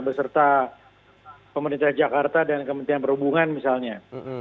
beserta pemerintah jakarta dan kementerian perhubungan misalnya